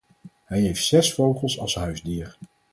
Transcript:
Hij heeft zes vogels als huisdier.